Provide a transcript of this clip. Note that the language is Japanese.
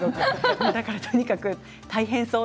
だからとにかく大変そう。